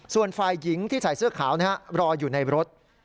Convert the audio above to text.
ส่วนฝ่ายหญิงที่ใส่เสื้อขาวรออยู่ในรถ